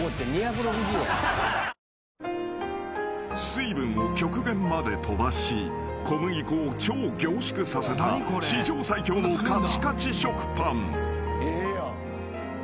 ［水分を極限まで飛ばし小麦粉を超凝縮させた史上最強のカチカチ食パン］